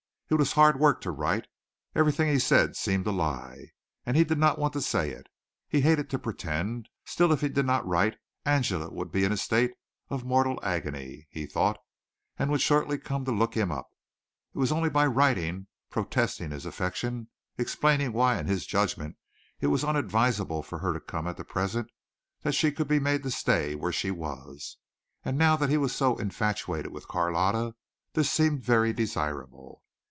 It was hard work to write. Everything he said seemed a lie and he did not want to say it. He hated to pretend. Still, if he did not write Angela would be in a state of mortal agony, he thought, and would shortly come to look him up. It was only by writing, protesting his affection, explaining why in his judgment it was unadvisable for her to come at present, that she could be made to stay where she was. And now that he was so infatuated with Carlotta this seemed very desirable.